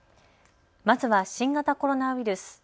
まずは新型コロナウイルス。